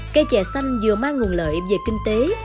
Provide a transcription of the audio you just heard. cây chè xanh vừa mang nguồn lợi về kinh tế